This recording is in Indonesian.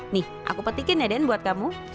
nih aku petikin ya den buat kamu